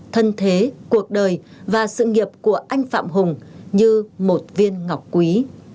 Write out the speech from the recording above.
thân thế cuộc đời và sự nghiệp của anh phạm hùng như một viên ngọc quý